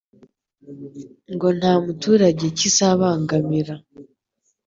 ngo nta muturage kizabangamira